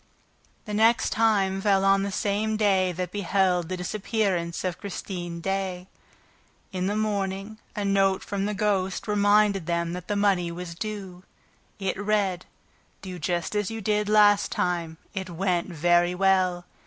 The next time fell on the same day that beheld the disappearance of Christine Daae. In the morning, a note from the ghost reminded them that the money was due. It read: Do just as you did last time. It went very well.